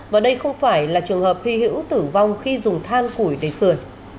và đây không phải là trường hợp hy hữu tử vong khi dùng than củi để sửa